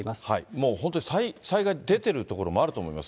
もう本当、災害出てる所もあると思います。